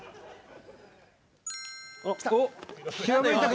きた！